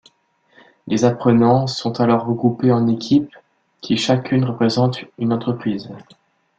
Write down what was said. Les apprenants sont alors regroupés en équipes, qui chacune représente une entreprise.